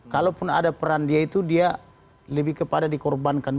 kalaupun ada peran dia itu dia lebih kepada dikorbankan